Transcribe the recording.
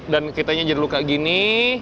dan kita nya jadi luka gini